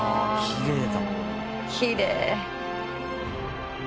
「きれい！」